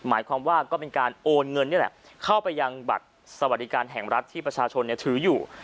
หมายความว่าก็เป็นการโอนเงินนี่แหละเข้าไปยังบัตรสวัสดิการแห่งรัฐที่ประชาชนถืออยู่